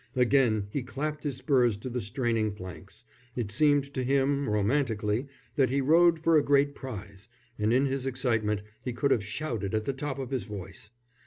Again he clapped his spurs to the straining flanks. It seemed to him, romantically, that he rode for a great prize, and in his excitement he could have shouted at the top of his voice.